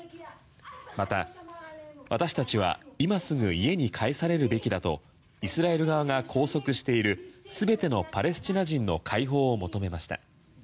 また、私達は今すぐ家に帰されるべきだとイスラエル側が拘束している全てのパレスチナ人の解放を求めました。